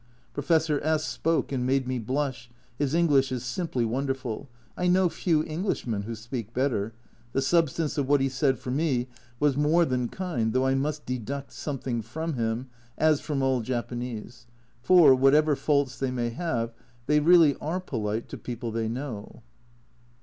Professor S spoke and "made me blush," his English is simply wonderful, I know few Englishmen who speak better, the substance of what he said for me was more than kind, though I must deduct something from him, as from all Japanese, for, whatever faults they may have, they really are polite to people they know.